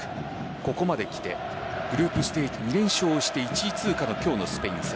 ここまで来てグループステージ２連勝して１位通過の今日のスペイン戦。